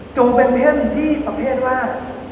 จงเป็นเพื่อนที่ประเภทว่า